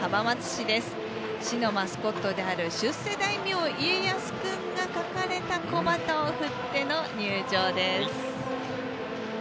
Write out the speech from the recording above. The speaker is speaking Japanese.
市のマスコットである「出世大名家康くん」が描かれた小旗を振っての入場です。